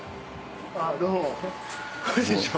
あっどうもこんにちは。